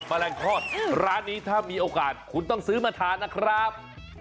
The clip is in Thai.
แมลงทอดร้านนี้ถ้ามีโอกาสคุณต้องซื้อมาทานนะครับ